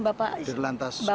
bapak dir lantas polda metro jaya